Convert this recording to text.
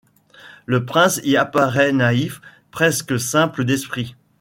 Le prince y apparaît naïf, presque simple d'esprit.